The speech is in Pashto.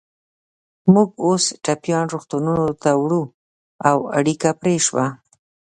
موږ اوس ټپیان روغتونونو ته وړو، او اړیکه پرې شوه.